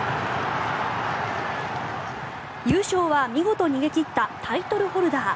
優勝は見事逃げ切ったタイトルホルダー。